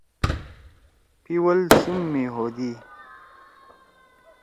پیول سُم می ہودی۔